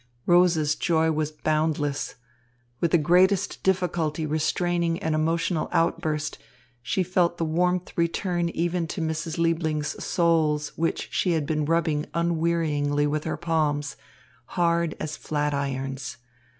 Rosa's joy was boundless. With the greatest difficulty restraining an emotional outburst, she felt the warmth return even to Mrs. Liebling's soles, which she had been rubbing unwearyingly with her palms, hard as flat irons.